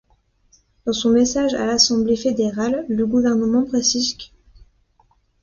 Dans son message à l'Assemblée fédérale, le gouvernement précise qu'.